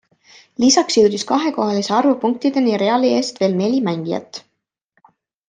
Lisaks jõudis kahekohalise arvu punktideni Reali eest veel neli mängijat.